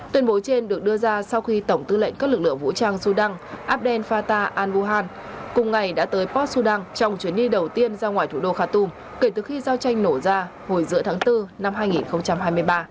tuyên bố trên được đưa ra sau khi tổng tư lệnh các lực lượng vũ trang sudan abdel fatah al buhan cùng ngày đã tới port sudan trong chuyến đi đầu tiên ra ngoài thủ đô khatom kể từ khi giao tranh nổ ra hồi giữa tháng bốn năm hai nghìn hai mươi ba